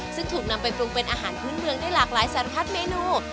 ซึ่งถูกนำไปปรุงเป็นอาหารพื้นเมืองได้หลากหลายสารพัดเมนู